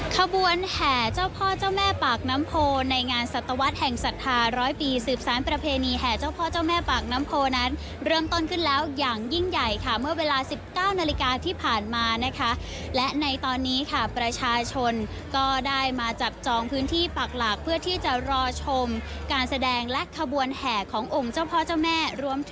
ขบวนแห่เจ้าพ่อเจ้าแม่ปากน้ำโพในงานศัตวรรษแห่งศรัทธาร้อยปีสืบสารประเพณีแห่เจ้าพ่อเจ้าแม่ปากน้ำโพนั้นเริ่มต้นขึ้นแล้วอย่างยิ่งใหญ่ค่ะเมื่อเวลาสิบเก้านาฬิกาที่ผ่านมานะคะและในตอนนี้ค่ะประชาชนก็ได้มาจับจองพื้นที่ปากหลักเพื่อที่จะรอชมการแสดงและขบวนแห่ขององค์เจ้าพ่อเจ้าแม่รวม